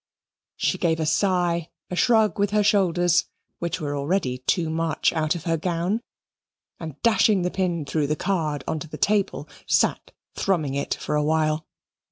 She gave a sigh, a shrug with her shoulders, which were already too much out of her gown, and dashing the pin through the card on to the table, sat thrumming it for a while.